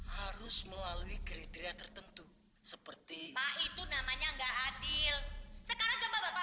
harus melalui kriteria tertentu seperti itu namanya enggak adil sekarang coba bapak